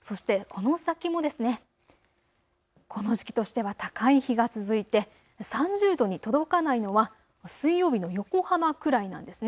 そして、この先もこの時期としては高い日が続いて３０度に届かないのは水曜日の横浜くらいなんです。